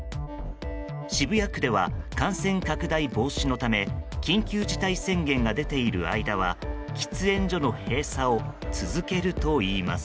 渋谷区では感染拡大防止のため緊急事態宣言が出ている間は喫煙所の閉鎖を続けるといいます。